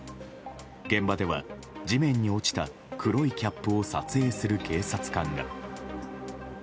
現場では、地面に落ちた黒いキャップを撮影する警察官が。